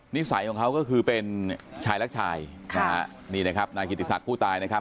นิสัยของเขาก็คือเป็นชายลักษณ์นายกิติศักดิ์ผู้ตายนะครับ